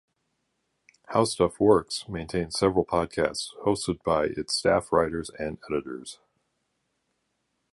HowStuffWorks maintains several podcasts, hosted by its staff writers and editors.